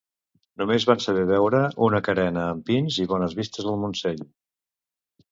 només van saber veure una carena amb pins i bones vistes al Montseny